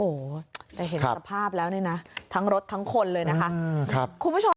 โอ้แต่เห็นภาพแล้วนี่นะทั้งรถทั้งคนเลยนะครับ